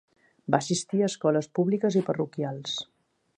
Va assistir a escoles públiques i parroquials.